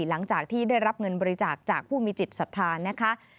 หลังจากที่ได้รับเงินบริจาคจากผู้มีจิตศรัทธานะคะ